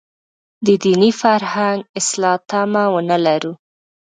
د دیني فرهنګ اصلاح تمه ونه لرو.